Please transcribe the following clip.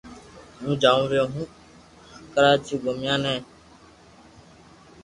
ھون جاوُ رھيو ھون ڪراچو گومياني